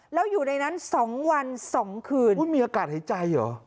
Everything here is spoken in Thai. แล้วอยู่ในนั้น๒วัน๒คืนมีอากาศหายใจเหรอ